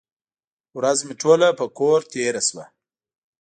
ورځ مې ټوله په کور تېره شوه.